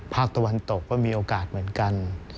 ภาคตะวันตกก็มีโอกาสเหมือนกัน